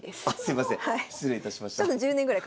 ああすいません。